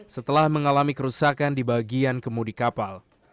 setelah mengalami kerusakan di bagian kemudi kapal